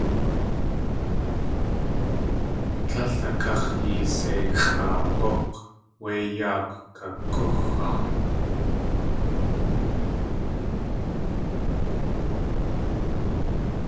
Tlél a káx̲ yiseixʼaag̲úk̲ wé yaakw kakúxaa!